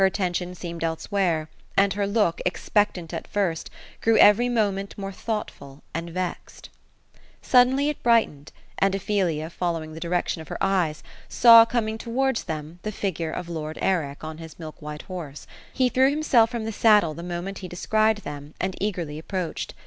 attention seemed elsewhere ; and her look, expectant at first, grew every moment more thoughtful and vexed. THE ROSE OF EL8INORB. 211 Suddenly, it brightened ; and Ophelia, following the direction of her eyes, saw, coining towards them, the figure of lord Eric, on his milk % white horse. He threw himself from the saddle the moment he descried them, and eagerly approached.